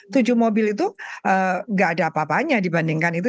tujuh mobil itu nggak ada apa apanya dibandingkan itu